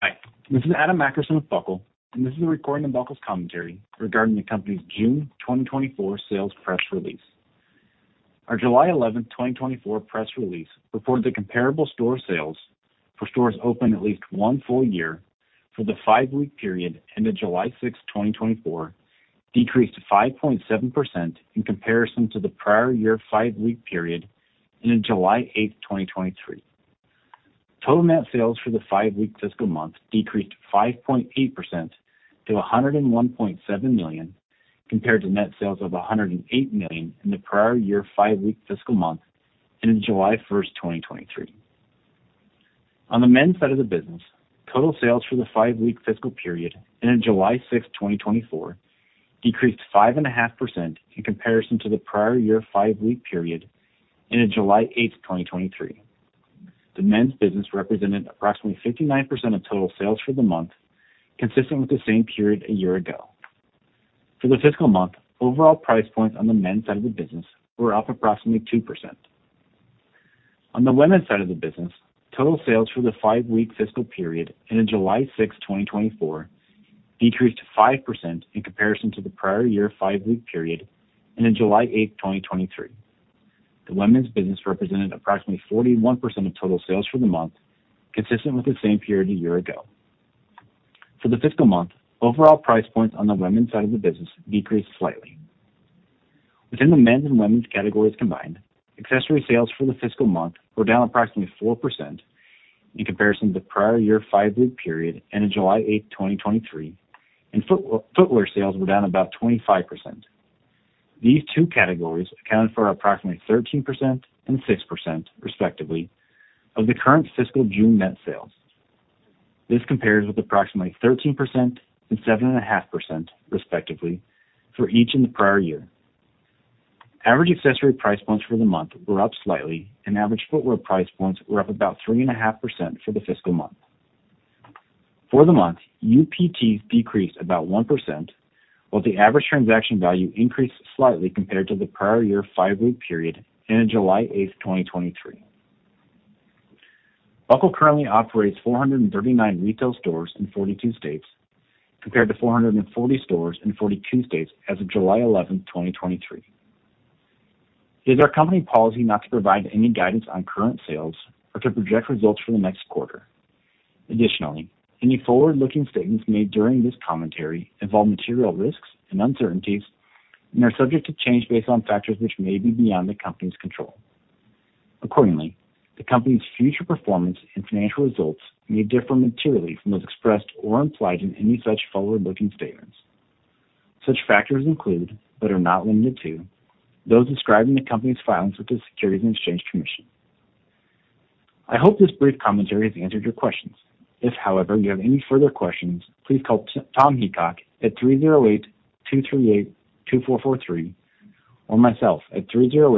Hi. This is Adam Akerson with Buckle, and this is a recording of Buckle's commentary regarding the company's June 2024 sales press release. Our July 11th, 2024 press release reported that comparable store sales for stores open at least one full year for the five-week period ended July 6th, 2024, decreased 5.7% in comparison to the prior year five-week period ended July 8th, 2023. Total net sales for the five-week fiscal month decreased 5.8% to $101.7 million compared to net sales of $108 million in the prior year five-week fiscal month ended July 1st, 2023. On the men's side of the business, total sales for the five-week fiscal period ended July 6th, 2024, decreased 5.5% in comparison to the prior year five-week period ended July 8th, 2023. The men's business represented approximately 59% of total sales for the month, consistent with the same period a year ago. For the fiscal month, overall price points on the men's side of the business were up approximately 2%. On the women's side of the business, total sales for the five-week fiscal period ended July 6th, 2024, decreased 5% in comparison to the prior year five-week period ended July 8th, 2023. The women's business represented approximately 41% of total sales for the month, consistent with the same period a year ago. For the fiscal month, overall price points on the women's side of the business decreased slightly. Within the men's and women's categories combined, accessory sales for the fiscal month were down approximately 4% in comparison to the prior year five-week period ended July 8th, 2023, and footwear sales were down about 25%. These two categories accounted for approximately 13% and 6%, respectively, of the current fiscal June net sales. This compares with approximately 13% and 7.5%, respectively, for each in the prior year. Average accessory price points for the month were up slightly, and average footwear price points were up about 3.5% for the fiscal month. For the month, UPTs decreased about 1%, while the average transaction value increased slightly compared to the prior year five-week period ended July 8th, 2023. Buckle currently operates 439 retail stores in 42 states, compared to 440 stores in 42 states as of July 11th, 2023. It is our company policy not to provide any guidance on current sales or to project results for the next quarter. Additionally, any forward-looking statements made during this commentary involve material risks and uncertainties and are subject to change based on factors which may be beyond the company's control. Accordingly, the company's future performance and financial results may differ materially from those expressed or implied in any such forward-looking statements. Such factors include, but are not limited to, those described in the company's filings with the Securities and Exchange Commission. I hope this brief commentary has answered your questions. If, however, you have any further questions, please call Tom Heacock at 308-238-2443 or myself at 308.